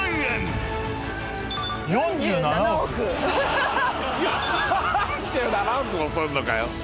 ４７億もするのかよ。